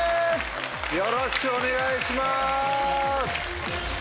よろしくお願いします。